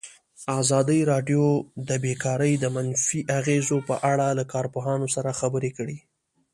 ازادي راډیو د بیکاري د منفي اغېزو په اړه له کارپوهانو سره خبرې کړي.